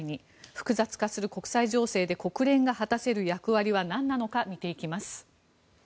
複雑化する国際情勢で国連が果たせる役割はなんなのか見ていきます。